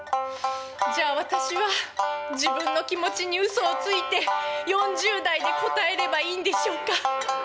じゃあ私は自分の気持ちにうそをついて４０代で答えればいいんでしょうか。